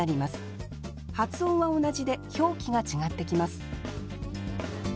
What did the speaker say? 発音は同じで表記が違ってきます